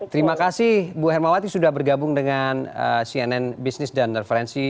terima kasih bu hermawati sudah bergabung dengan cnn business dan referensi